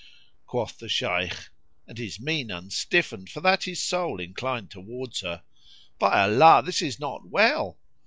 Quoth the Shaykh (and his mien unstiffened for that his soul inclined towards her), "By Allah, this is not well!"